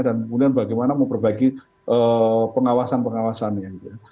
dan kemudian bagaimana memperbaiki pengawasan pengawasannya